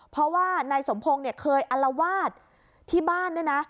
เพราะว่านายสมพงศ์เนี่ยเคยอลวาดที่บ้านด้วยนะ